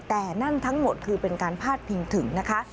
แต่นั่นทั้งหมดคือเป็นการพาดพิงถึงนะคะ